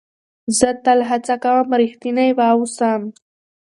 زه هڅه کوم تل رښتینی واوسم.